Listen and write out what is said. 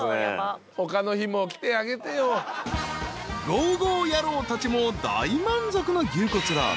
［ゴーゴー野郎たちも大満足の牛骨ラーメン］